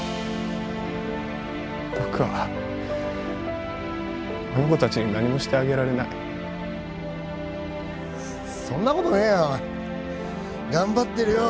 僕はあの子たちに何もしてあげられないそんなことねえよがんばってるよ